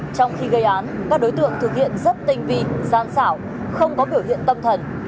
trong khi gây án các đối tượng thực hiện rất tinh vi gian xảo không có biểu hiện tâm thần